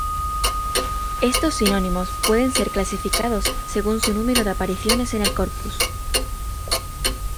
Estos sinónimos pueden ser clasificados según su número de apariciones en el corpus.